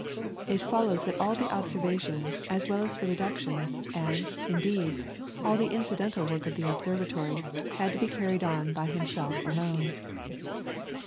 It follows that all the observations, as well as the reductions, and, indeed, all the incidental work of the observatory, had to be carried on by himself alone.